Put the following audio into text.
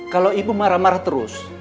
kalau ibu marah marah terus